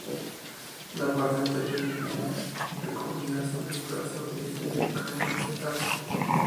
La parte anterior viene recogida sobre el brazo y se deja caer al sentarse.